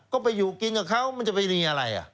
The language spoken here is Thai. ก็ไปอยู่กินกับเขามันจะไปดีอะไร